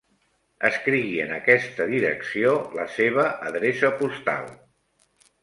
Escrigui en aquesta direcció la seva adreça postal.